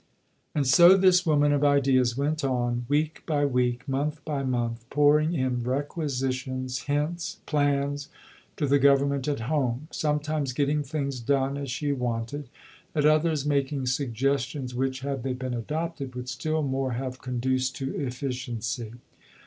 V And so this woman of ideas went on, week by week, month by month, pouring in requisitions, hints, plans, to the Government at home; sometimes getting things done as she wanted, at others making suggestions which, had they been adopted, would still more have conduced to efficiency.